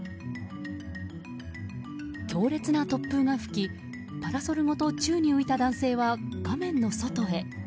強烈な突風が吹きパラソルごと宙に浮いた男性は画面の外へ。